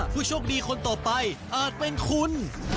ผู้โชคดีคนต่อไปอาจเป็นคุณ